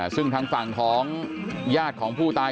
ซึ่งทางฝั่งของญาติของผู้ตาย